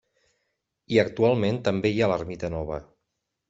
I actualment també hi ha l’ermita nova.